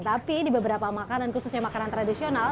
tapi di beberapa makanan khususnya makanan tradisional